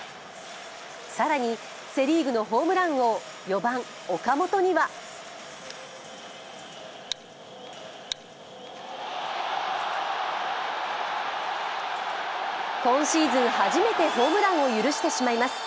更にセ・リーグのホームラン王４番・岡本には今シーズン初めてホームランを許してしまいます。